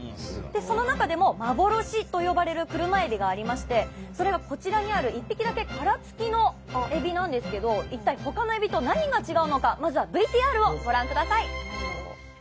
その中でも幻と呼ばれる車えびがありましてそれがこちらにある１匹だけ殻付きのえびなんですけど一体ほかのえびと何が違うのかまずはＶＴＲをご覧ください。